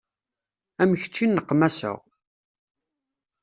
Am kečč i nneqmaseɣ.